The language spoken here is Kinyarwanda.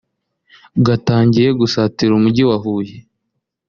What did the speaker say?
Batangiye gusatira umujyi wa Huye